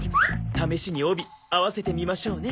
試しに帯合わせてみましょうね。